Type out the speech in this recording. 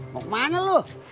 mau kemana lu